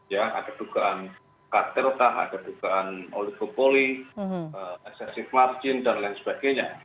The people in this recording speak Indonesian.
ya ada dugaan katerka ada dugaan oligopoly excessive margin dan lain sebagainya